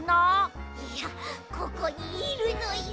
いやここにいるのよ